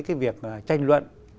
cái việc tranh luận